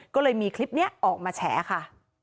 ก็เลยมีคลิปนี้ออกมาแฉค่ะ